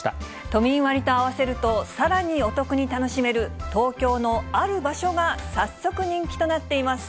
都民割と合わせると、さらにお得に楽しめる、東京のある場所が早速、人気となっています。